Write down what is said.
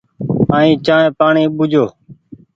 ائين چآنه پآڻيٚ ٻوجھيو۔